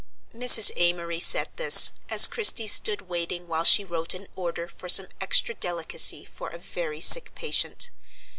Mrs. Amory said this, as Christie stood waiting while she wrote an order for some extra delicacy for a very sick patient.